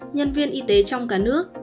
nhân viên y tế trong cả nước